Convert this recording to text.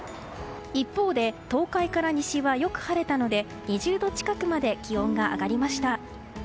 一方で東海から西はよく晴れたので２０度近くまで気温が上がりました。